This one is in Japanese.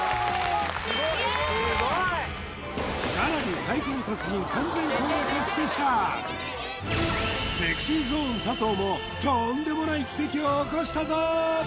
すげえすごいさらにＳｅｘｙＺｏｎｅ佐藤もとんでもない奇跡を起こしたぞ！